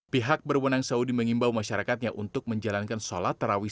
pihak berwenang saudi mengimbau masyarakatnya untuk menjalankan sholat tarawih